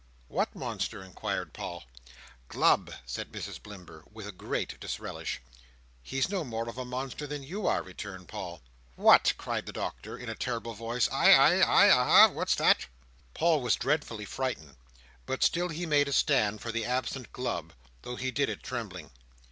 "What monster?" inquired Paul. "Glubb," said Mrs Blimber, with a great disrelish. "He's no more a monster than you are," returned Paul. "What!" cried the Doctor, in a terrible voice. "Ay, ay, ay? Aha! What's that?" Paul was dreadfully frightened; but still he made a stand for the absent Glubb, though he did it trembling.